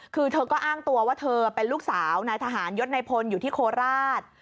คือเธอก็อ้างตัวว่าเธอเป็นลูกสาวนายทหารยศในพลอยู่ที่โคราช